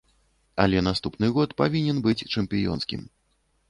Але наступны год павінен быць чэмпіёнскім!